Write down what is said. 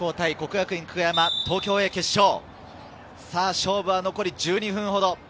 勝負は残り１２分ほど。